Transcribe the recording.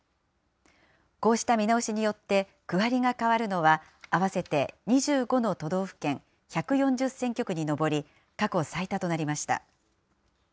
こうした見直しによって、区割りが変わるのは合わせて２５の都道府県、１４０選挙区に上り、過去最多となりました。